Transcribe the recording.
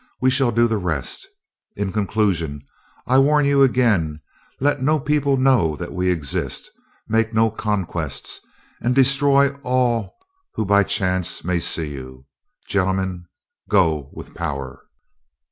We shall do the rest. In conclusion, I warn you again let no people know that we exist. Make no conquests, and destroy all who by any chance may see you. Gentlemen, go with power."